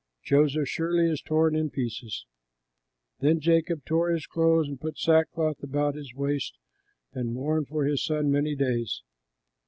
Joseph surely is torn in pieces." Then Jacob tore his clothes, put sackcloth about his waist, and mourned for his son many days.